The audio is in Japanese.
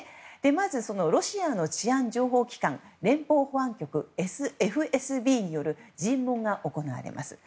まずロシアの治安・情報機関ＦＳＢ・連邦保安局による尋問が行われます。